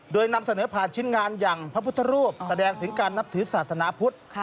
โดยนำเสนอผ่านชิ้นงานอย่างพระพุทธรูปแสดงถึงการนับถือศาสนาพุทธ